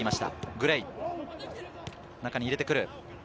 グレイ、中に入れてくる。